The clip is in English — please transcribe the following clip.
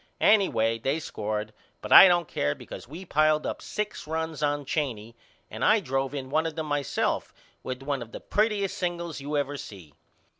Anyway they scored but I don't care because we piled up six runs on Cheney and I drove in one of them myself with one of the prettiest singles you ever see.